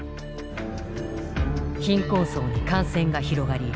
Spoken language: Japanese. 貧困層に感染が広がり